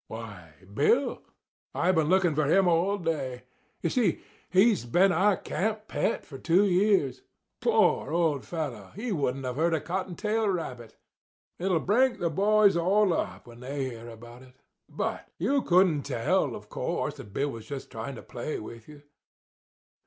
"Why, Bill. I've been looking for him all day. You see, he's been our camp pet for two years. Poor old fellow, he wouldn't have hurt a cottontail rabbit. It'll break the boys all up when they hear about it. But you couldn't tell, of course, that Bill was just trying to play with you."